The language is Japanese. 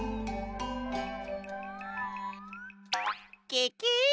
ケケ！